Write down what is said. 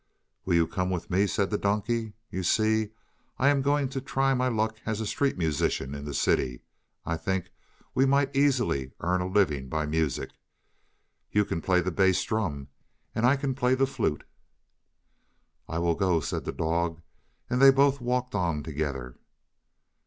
"Will you come with me?" said the donkey. "You see, I am going to try my luck as a street musician in the city. I think we might easily earn a living by music. You can play the bass drum and I can play the flute." "I will go," said the dog, and they both walked on together.